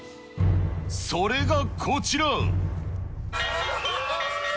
それがこちら。